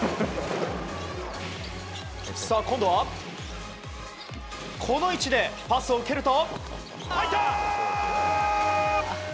今度はこの位置でパスを受けると。